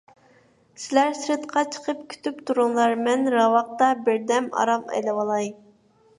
سىلەر سىرتقا چىقىپ كۈتۈپ تۇرۇڭلار، مەن راۋاقتا بىردەم ئارام ئېلىۋالاي.